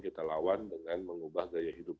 kita lawan dengan mengubah gaya hidup